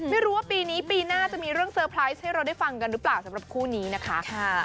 ไม่รู้ว่าปีนี้ปีหน้าจะมีเรื่องเซอร์ไพรส์ให้เราได้ฟังกันหรือเปล่าสำหรับคู่นี้นะคะ